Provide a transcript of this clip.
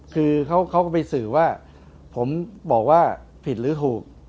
คือเขาก็ไปสื่อว่าผมบอกว่าผิดหรือถูก